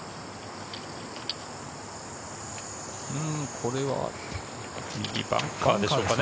これは右バンカーでしょうかね。